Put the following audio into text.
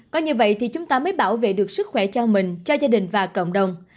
có như vậy thì chúng ta mới bảo vệ được sức khỏe cho mình cho gia đình và cộng đồng